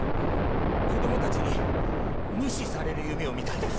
子供たちに無視される夢を見たんです。